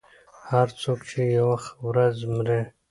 • هر څوک چې یوه ورځ مري.